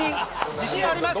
自信あります。